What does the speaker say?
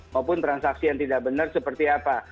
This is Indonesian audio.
maupun transaksi yang tidak benar seperti apa